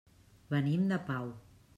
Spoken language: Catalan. Venim de Pau.